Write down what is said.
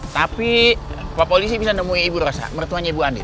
tapi pak polisi bisa nemuin ibu rasa mertuanya ibu andi